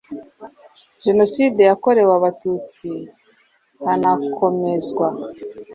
Jenoside yakorewe Abatutsi hanakomezwa